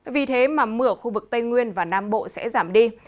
vì thế mà mưa ở khu vực tây nguyên và nam bộ sẽ giảm đi